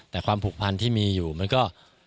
แต่ความผูกพันที่มีอยู่มันก็